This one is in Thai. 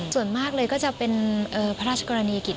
ส่วนมากเลยก็จะเป็นพระราชกรณีกิจ